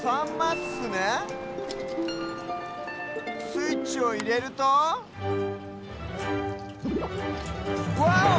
スイッチをいれるとワオ！